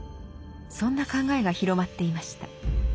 そんな考えが広まっていました。